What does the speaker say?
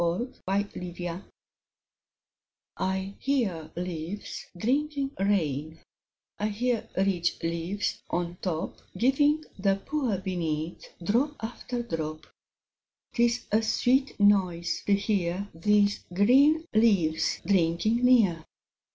Davies The Rain I HEAR leaves drinking rain; I hear rich leaves on top Giving the poor beneath Drop after drop; 'Tis a sweet noise to hear These green leaves drinking near.